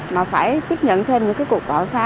mà phải tiếp nhận thêm những cuộc gọi phá